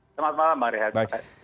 selamat malam mbak rehat